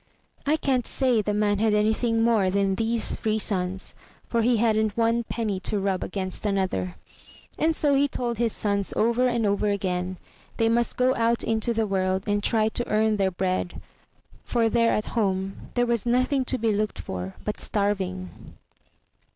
I can't say the man had anything more than these three sons, for he hadn't one penny to rub against another; and so he told his sons over and over again they must go out into the world and try to earn their bread, for there at home there was nothing to be looked for but starving.